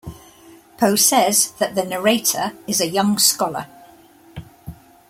Poe says that the narrator is a young scholar.